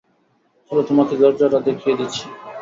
চলো তোমাকে দরজাটা দেখিয়ে দিচ্ছি।